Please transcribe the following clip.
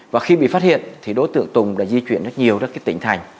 và khi bị phát hiện thì đối tượng tùng đã di chuyển rất nhiều ra cái tỉnh thành